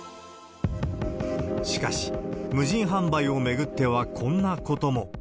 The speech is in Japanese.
しかし、無人販売を巡ってはこんなことも。